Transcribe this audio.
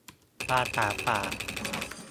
ภาษาปาก